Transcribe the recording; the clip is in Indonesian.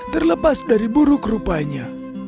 terlepas dari buruk rupanya